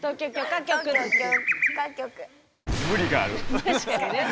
確かにね。